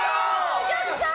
お客さん！